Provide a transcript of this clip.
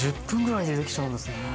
１０分ぐらいでできちゃうんですね。